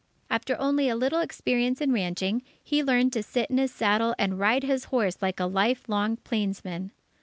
After only a little experience in ranching, he learned to sit in his saddle and ride his horse like a life long plainsman.